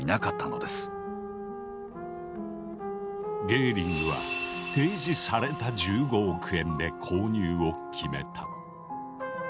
ゲーリングは提示された１５億円で購入を決めた。